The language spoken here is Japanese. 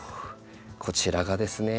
こちらがですね